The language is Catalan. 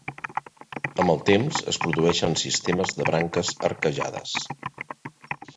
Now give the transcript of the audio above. Amb el temps, es produeixen sistemes de branques arquejades.